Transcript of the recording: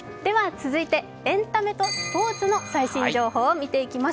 続いてエンタメとスポーツの最新情報を見ていきます。